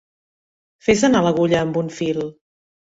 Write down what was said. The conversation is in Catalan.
Fes anar l'agulla amb un fil.